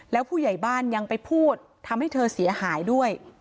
แล้วผู้ใหญ่บ้านยังไปพูดทำให้เธอเสียหายด้วย